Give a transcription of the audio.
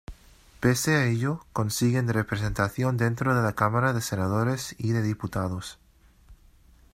Pese a ello, consiguen representación dentro de la Cámara de Senadores y de Diputados.